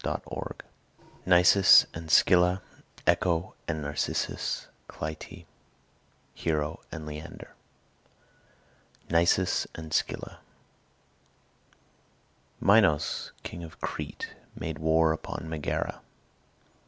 CHAPTER XIII NISUS AND SCYLLA ECHO AND NARCISSUS CLYTIE HERO AND LEANDER NISUS AND SCYLLA Minos, king of Crete, made war upon Megara.